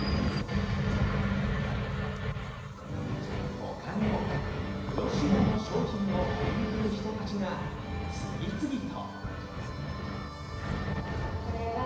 他にも、プロ仕様の商品を買いに来る人たちが次々と。